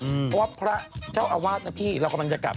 เพราะว่าพระเจ้าอาวาสนะพี่เรากำลังจะกลับ